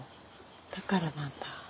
だからなんだ。